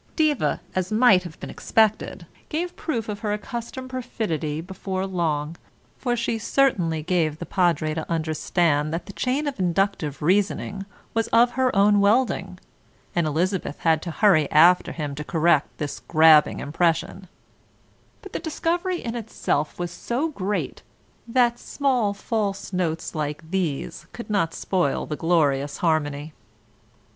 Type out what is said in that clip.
Diva, as might have been expected, gave proof of her accustomed perfidy before long, for she certainly gave the Padre to understand that the chain of inductive reasoning was of her own welding and Elizabeth had to hurry after him to correct this grabbing impression; but the discovery in itself was so great, that small false notes like these could not spoil the glorious harmony.